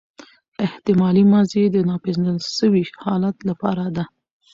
احتمالي ماضي د ناپیژندل سوي حالت له پاره ده.